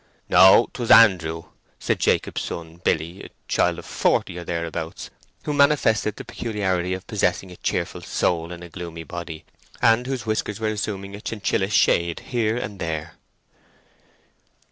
"No, 'twas Andrew," said Jacob's son Billy, a child of forty, or thereabouts, who manifested the peculiarity of possessing a cheerful soul in a gloomy body, and whose whiskers were assuming a chinchilla shade here and there.